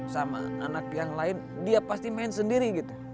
sama anak yang lain dia pasti main sendiri gitu